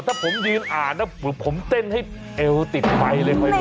ถ้าผมยืนอ่านผมเต้นให้เอวติดไฟเลยค่อยดู